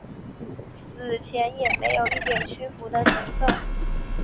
死前也没有一点屈服的神色。